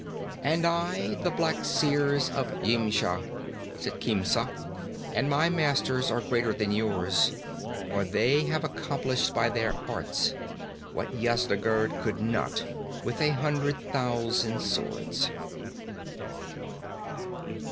'And I the Black Seers of Yimsha,' said Khemsa; 'and my masters are greater than yours, for they have accomplished by their arts what Yezdigerd could not with a hundred thousand swords.'